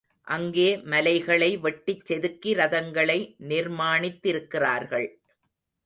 அங்கே மலைகளை வெட்டிச் செதுக்கி ரதங்களை நிர்மாணித்திருக்கிறார்கள்.